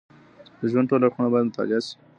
د ژوند ټول اړخونه باید مطالعه سي.